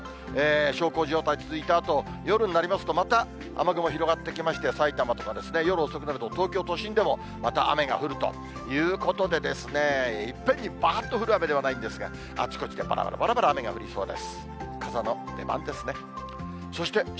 小康状態続いたあと、夜になりますとまた雨雲広がってきまして、埼玉とか、夜遅くなると東京都心でも、また雨が降るということで、いっぺんにばーっと降る雨ではないんですが、あちこちでばらばらばらばら雨が降りそうです。